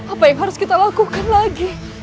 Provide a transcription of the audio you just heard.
apa yang harus kita lakukan lagi